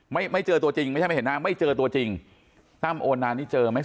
ไม่ไม่เจอตัวจริงไม่ใช่ไม่เห็นหน้าไม่เจอตัวจริงตั้มโอนานนี่เจอไหม